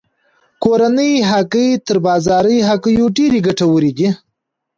کورنۍ هګۍ تر بازاري هګیو ډیرې ګټورې دي.